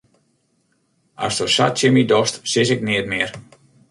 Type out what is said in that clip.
Asto sa tsjin my dochst, sis ik neat mear.